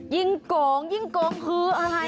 ยิงโก๋งยิงโก๋งคืออะไร